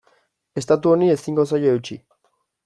Estatu honi ezingo zaio eutsi.